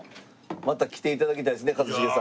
また来て頂きたいですね一茂さん。